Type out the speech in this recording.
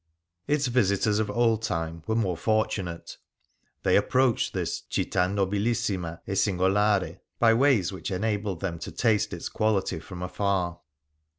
Its visitoi s of old time were more fortunate. They approached this " Citta nobilissima e singolare'" by ways which enabled them to taste its quality from afar.